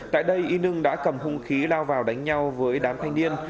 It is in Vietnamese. tại đây y nưng đã cầm hung khí lao vào đánh nhau với đám thanh niên